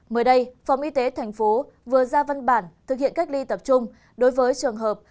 mới đây phòng y tế thành phố vừa ra văn bản thực hiện cách ly tập trung đối với trường hợp